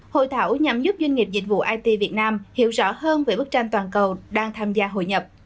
hội thảo nhằm giúp doanh nghiệp dịch vụ it việt nam hiểu rõ hơn về bức tranh toàn cầu đang tham gia hội nhập